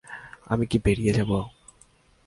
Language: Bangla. আমি কি বেরিয়ে যাবো?